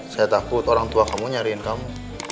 saya takut orang tua kamu nyariin kamu